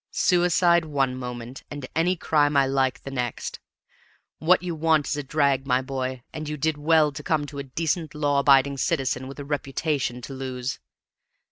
Suicide one moment, and any crime I like the next! What you want is a drag, my boy, and you did well to come to a decent law abiding citizen with a reputation to lose.